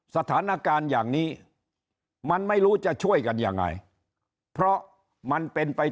สถานการณ์อย่างนี้มันไม่รู้จะช่วยกันยังไงเพราะมันเป็นไป